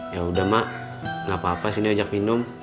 yaudah mak gapapa sini ojak minum